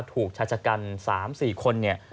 ถูกชายชะกัน๓๔คนเนี่ย